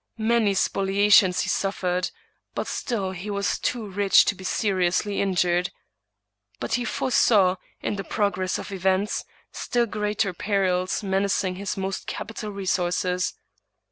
Many spoliations he suffered; but still he was too rich to be seriously injured. But he foresaw, in the progress of events, still greater perils menacing his most capital resources.